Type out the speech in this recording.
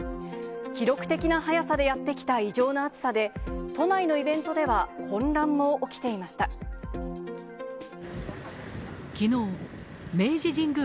記録的な早さでやってきた異常な暑さで、都内のイベントでは混乱きのう、明治神宮